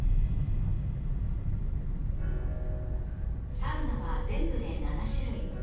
サウナは全部で７種類